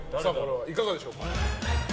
いかがでしょうか。